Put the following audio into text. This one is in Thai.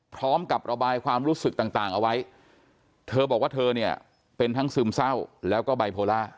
พร้อมกับระบายความรู้สึกต่างเอาไว้เธอบอกว่าเธอเนี่ยเป็นทั้งซึมเศร้าแล้วก็ไบโพล่า